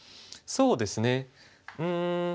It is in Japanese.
そうですねうん。